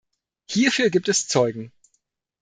Hierfür gibt es Zeugen.